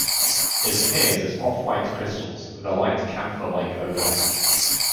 It appears as off-white crystals, with a light camphor-like odor.